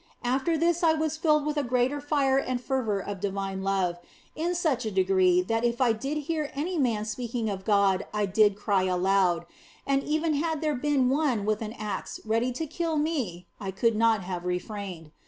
After this I was filled with a yet greater fire and fervour of Divine love, in such a degree that if I did hear any man speaking of God I did cry aloud, and even had there been one with an axe ready to kill me I could not have refrained.